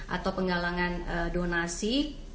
atau penggalangan donasi